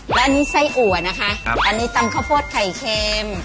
และอันนี้ไส้อัวนะคะอันนี้ตำข้าวโพดไข่เค็ม